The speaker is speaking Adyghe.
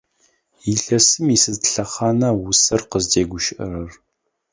Илъэсым исыд лъэхъана усэр къызтегущыӏэрэр?